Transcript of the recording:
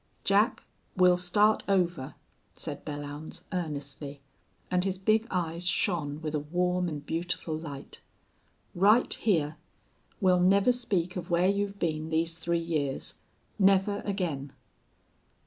"Jack, we'll start over," said Belllounds, earnestly, and his big eyes shone with a warm and beautiful light. "Right hyar. We'll never speak of where you've been these three years. Never again!"